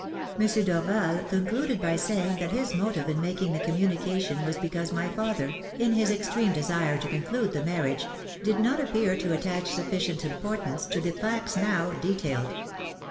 M. Dorval concluded by saying that his motive in making the communication was because my father, in his extreme desire to conclude the marriage, did not appear to attach sufficient importance to the facts now detailed."